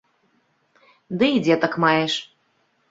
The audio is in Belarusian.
Ды і дзетак маеш.